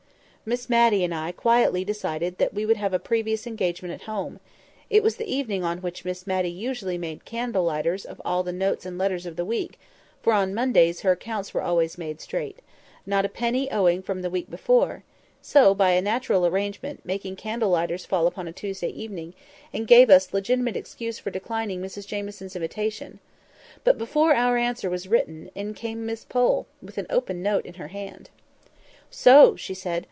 Miss Matty and I quietly decided that we would have a previous engagement at home: it was the evening on which Miss Matty usually made candle lighters of all the notes and letters of the week; for on Mondays her accounts were always made straight—not a penny owing from the week before; so, by a natural arrangement, making candle lighters fell upon a Tuesday evening, and gave us a legitimate excuse for declining Mrs Jamieson's invitation. But before our answer was written, in came Miss Pole, with an open note in her hand. "So!" she said.